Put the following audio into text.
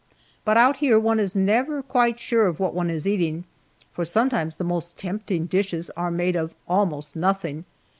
But out here one is never quite sure of what one is eating, for sometimes the most tempting dishes are made of almost nothing.